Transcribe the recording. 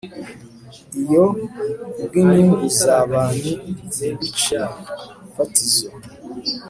Iyo ku bw inyungu za ba nyir ibice fatizo